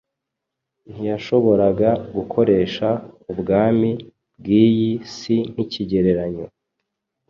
Ntiyashoboraga gukoresha ubwami bw’iyi si nk’ikigereranyo.